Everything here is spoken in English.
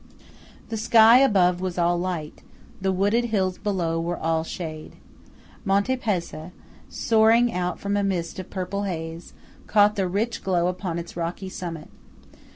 The sky above was all light; the wooded hills below were all shade. Monte Pezza, soaring out from a mist of purple haze, caught the rich glow upon its rocky summit.